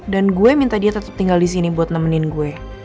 dan gue minta dia tetep tinggal di sini buat nemenin gue